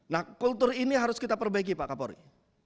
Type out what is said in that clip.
nah kultur ini harus kita perbaiki pak kapolri